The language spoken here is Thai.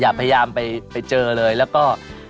พยายามไปเจอเลยแล้วก็